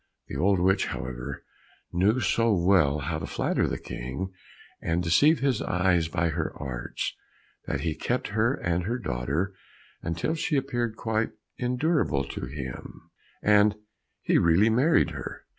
The old witch, however, knew so well how to flatter the King and deceive his eyes by her arts, that he kept her and her daughter until she appeared quite endurable to him, and he really married her.